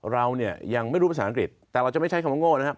เราเนี่ยยังไม่รู้ภาษาอังกฤษแต่เราจะไม่ใช้คำว่าโง่นะครับ